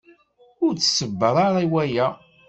Ur tṣebber ara i waya.